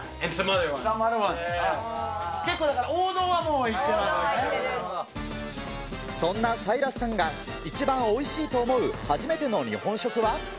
結構だから、そんなサイラスさんが、一番おいしいと思う初めての日本食は。